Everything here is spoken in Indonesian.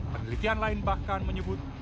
penelitian lain bahkan menyebut